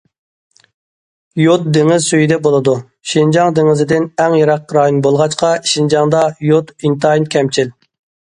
يود دېڭىز سۈيىدە بولىدۇ، شىنجاڭ دېڭىزدىن ئەڭ يىراق رايون بولغاچقا، شىنجاڭدا يود ئىنتايىن كەمچىل.